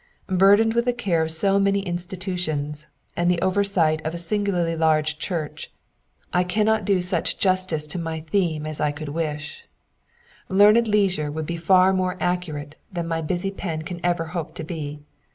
Burdened with the care of many institutions, and the oversight of a singularly large church, I cannot do such Digitized by VjOOQIC PREFACE, ^ VU justice to my theme as I could wish. Learned leisure would be far more accurate than my busy pen can ever hope to be.